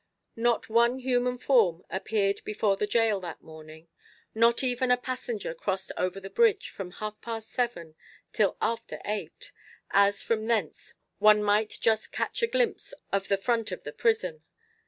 Not one human form appeared before the gaol that morning. Not even a passenger crossed over the bridge from half past seven till after eight, as from thence one might just catch a glimpse of the front of the prison.